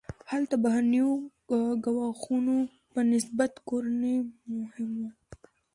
هلته بهرنیو ګواښونو په نسبت کورني مهم وو.